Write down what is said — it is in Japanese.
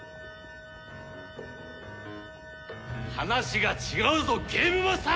話が違うぞゲームマスター！